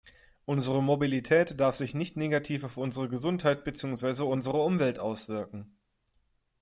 Unsere Mobilität darf sich nicht negativ auf unsere Gesundheit beziehungsweise unsere Umwelt auswirken.